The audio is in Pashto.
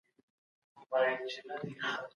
هیوادونه له متحدینو سره اړیکي بې له پلان نه نه ساتي.